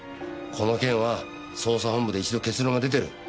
この件は捜査本部で一度結論が出てる。